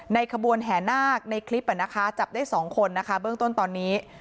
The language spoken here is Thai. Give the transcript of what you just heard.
ขบวนแห่นาคในคลิปจับได้๒คนนะคะเบื้องต้นตอนนี้